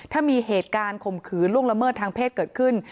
ถ้ามีเหตุการณ์ข่มขืนล่วงละเมิดทางเพศเกิดขึ้น